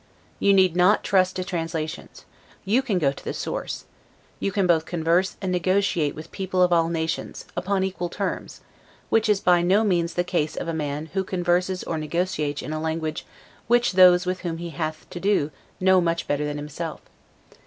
You need not trust to translations; you can go to the source; you can both converse and negotiate with people of all nations, upon equal terms; which is by no means the case of a man, who converses or negotiates in a language which those with whom he hath to do know much better than himself.